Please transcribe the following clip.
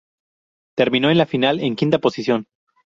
Terminó en la final en quinta posición.